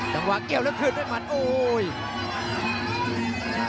จังหวะเกี่ยวแล้วคืนด้วยมันโอ้ย